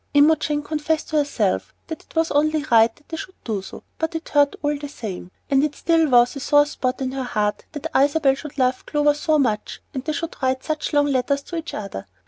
Imogen confessed to herself that it was only right that they should do so, but it hurt all the same, and it was still a sore spot in her heart that Isabel should love Clover so much, and that they should write such long letters to each other.